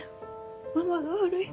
ママが悪いの。